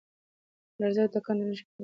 لرزه او تکان د نښو په توګه پېژندل کېږي.